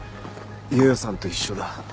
よよさんと一緒だ。